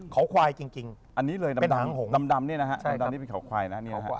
เขาควายจริงเป็นหางหงอันนี้เลยดำนี่นะครับเป็นเขาควายนะครับ